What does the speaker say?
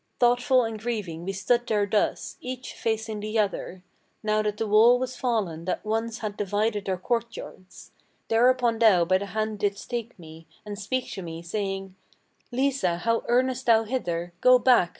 Thoughtful and grieving we stood there thus, each facing the other, Now that the wall was fallen that once had divided our court yards. Thereupon thou by the hand didst take me, and speak to me, saying, 'Lisa, how earnest thou hither? Go back!